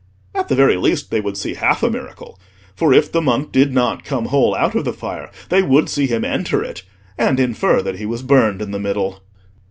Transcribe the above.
At the very least they would see half a miracle; for if the monk did not come whole out of the fire, they would see him enter it, and infer that he was burned in the middle.